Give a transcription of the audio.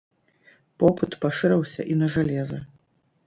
Попыт пашырыўся і на жалеза.